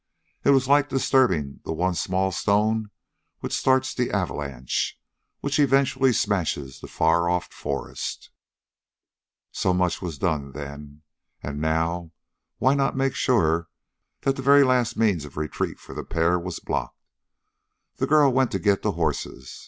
It was like disturbing the one small stone which starts the avalanche, which eventually smashes the far off forest. So much was done, then. And now why not make sure that the very last means of retreat for the pair was blocked? The girl went to get the horses.